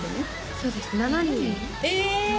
そうです７人へえ！